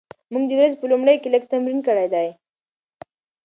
موږ د ورځې په لومړیو کې لږ تمرین کړی دی.